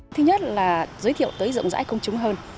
thứ nhất là giới thiệu tới rộng rãi công chúng hơn